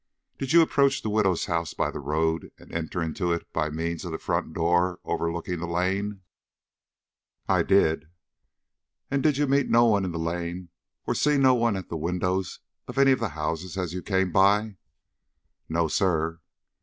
"Did you approach the widow's house by the road and enter into it by means of the front door overlooking the lane?" "I did." "And did you meet no one in the lane, or see no one at the windows of any of the houses as you came by?" "No, sir."